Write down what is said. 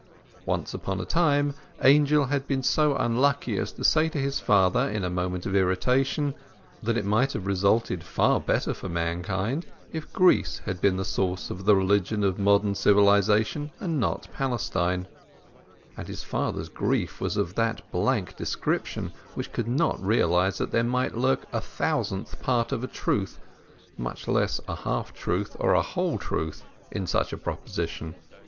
Once upon a time Angel had been so unlucky as to say to his father, in a moment of irritation, that it might have resulted far better for mankind if Greece had been the source of the religion of modern civilization, and not Palestine; and his father's grief was of that blank description which could not realize that there might lurk a thousandth part of a truth, much less a half truth or a whole truth, in such a proposition.